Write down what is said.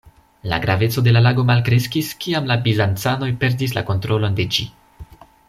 La graveco de la lago malkreskis, kiam la bizancanoj perdis la kontrolon de ĝi.